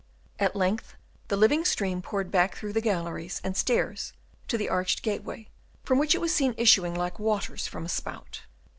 At length, the living stream poured back through the galleries and stairs to the arched gateway, from which it was seen issuing like waters from a spout.